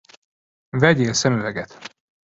Vegyél szemüveget!